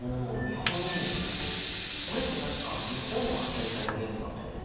これって確か日本で発見された元素だったよね？